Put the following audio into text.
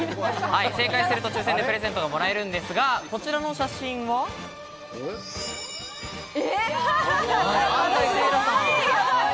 正解すると抽選でプレゼントがもらえるんですが、こちらの写真は安斉星来さん。